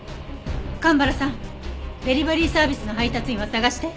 蒲原さんデリバリーサービスの配達員を捜して。